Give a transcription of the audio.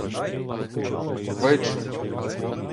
— Виджу.